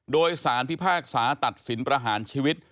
โดยสารพิพากษาตัดสินประหารชีวิต